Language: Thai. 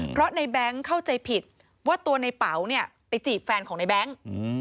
เพราะในแบงค์เข้าใจผิดว่าตัวในเป๋าเนี่ยไปจีบแฟนของในแบงค์